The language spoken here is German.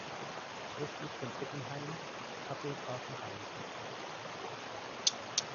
Westlich von Ettenheim liegt Kappel-Grafenhausen.